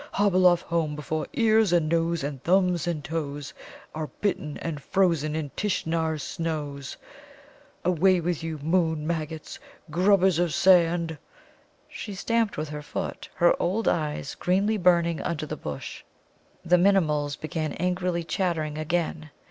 Hobble off home before ears and nose and thumbs and toes are bitten and frozen in Tishnar's snows! Away with you, moon maggots, grubbers of sand!" She stamped with her foot, her old eyes greenly burning under the bush. The Minimuls began angrily chattering again.